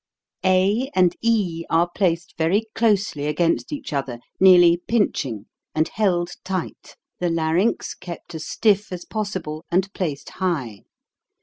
a and e are placed very closely against each other, nearly pinching, and held tight; the larynx kept as stiff as possible and placed high.